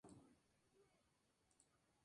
Kotal Kahn es hijo de Kotal K"etz.